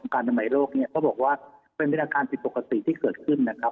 ก็ไม่มีใครบอกเลยว่า